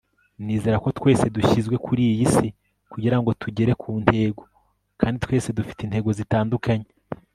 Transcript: nizera ko twese dushyizwe kuri iyi si kugira ngo tugere ku ntego, kandi twese dufite intego zitandukanye